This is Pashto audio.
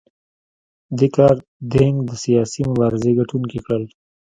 دې کار دینګ د سیاسي مبارزې ګټونکي کړل.